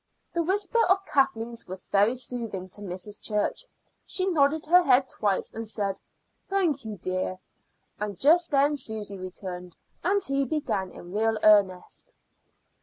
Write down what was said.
This whisper of Kathleen's was very soothing to Mrs. Church. She nodded her head twice and said: "Thank you, dear," and just then Susy returned, and tea began in real earnest.